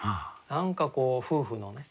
何かこう夫婦のね